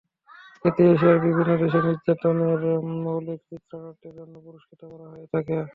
এতে এশিয়ার বিভিন্ন দেশের নির্মাতাদের মৌলিক চিত্রনাট্যের জন্য পুরস্কৃত করা হয়ে থাকে।